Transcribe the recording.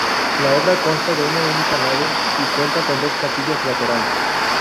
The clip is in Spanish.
La obra consta de una única nave, y cuenta con dos capillas laterales.